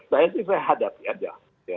saya sih saya hadapi aja